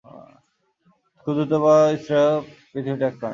খুব দ্রুত তা স্ত্রীরা পৃথিবী ত্যাগ করেন।